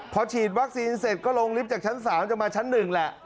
พอฉีดวัคซีนเสร็จก็ลงลิฟต์จากชั้น๓จะมาชั้น๑แหละ